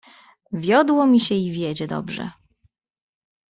"Wiodło mi się i wiedzie dobrze."